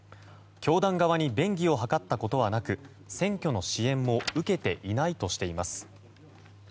教団側に便宜を図ったことはなく選挙の支援も受けていないとしています。